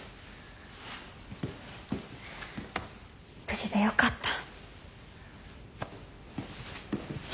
無事でよかった。